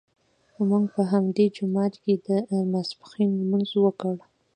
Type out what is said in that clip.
موږ په همدې جومات کې د ماسپښین لمونځ وکړ.